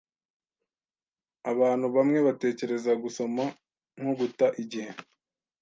Abantu bamwe batekereza gusoma nko guta igihe.